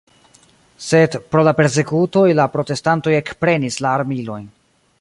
Sed, pro la persekutoj, la protestantoj ekprenis la armilojn.